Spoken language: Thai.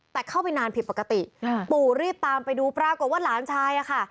แต่เข้าไปนานผิดปกติปู่รีบตามไปดูปรากฏว่าหลานชายอะค่ะ